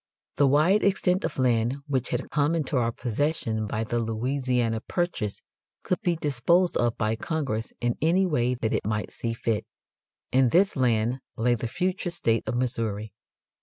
The wide extent of land which had come into our possession by the Louisiana Purchase could be disposed of by Congress in any way that it might see fit. In this land lay the future state of Missouri.